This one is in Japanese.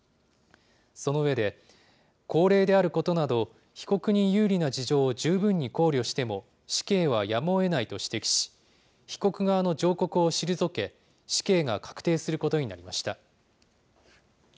その上で、高齢であることなど、被告に有利な事情を十分に考慮しても、死刑はやむをえないと指摘し、被告側の上告を退け、死刑が確定することになりました。